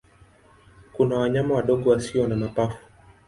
Kuna wanyama wadogo wasio na mapafu.